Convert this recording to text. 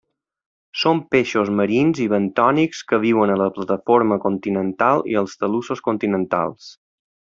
Són peixos marins i bentònics que viuen a la plataforma continental i els talussos continentals.